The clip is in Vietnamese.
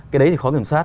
cái đấy thì khó kiểm soát